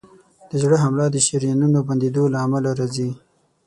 د زړه حمله د شریانونو بندېدو له امله راځي.